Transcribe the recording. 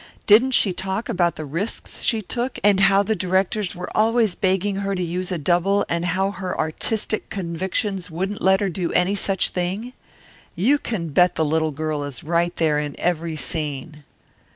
Didn't she talk about the risks she look and how the directors were always begging her to use a double and how her artistic convictions wouldn't let her do any such thing? You can bet the little girl is right there in every scene!"